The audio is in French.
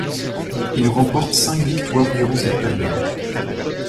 Il remporte cinq victoires durant cette période.